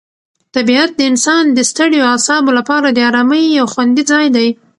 طبیعت د انسان د ستړیو اعصابو لپاره د آرامۍ یو خوندي ځای دی.